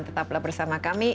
tetaplah bersama kami